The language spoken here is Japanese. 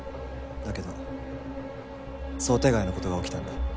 だけど想定外の事が起きたんだ。